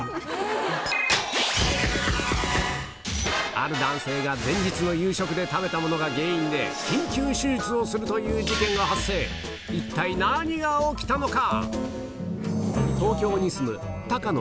ある男性が前日の夕食で食べたものが原因で緊急手術をするという事件が発生一体何が起きたのか？